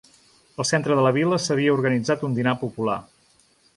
Al centre de la vila s’havia organitzat un dinar popular.